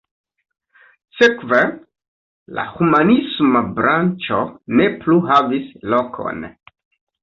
Sekve la humanisma branĉo ne plu havis lokon.